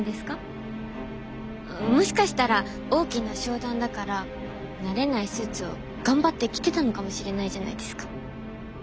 もしかしたら大きな商談だから慣れないスーツを頑張って着てたのかもしれないじゃないですか。